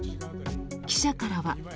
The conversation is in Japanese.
記者からは。